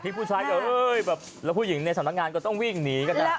พี่ผู้ใช้เห้ยแล้วผู้หญิงในสำนักงานก็ต้องวิ่งหนีกันนะ